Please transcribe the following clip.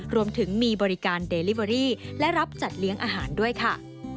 รวมถึงมีบริการเดลิเวอรี่และรับจัดเลี้ยงอาหารด้วยค่ะ